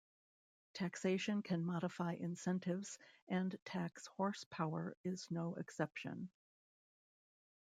Taxation can modify incentives and tax horsepower is no exception.